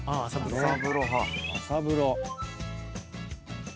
朝風呂派。